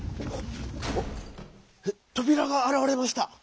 とびらがあらわれました！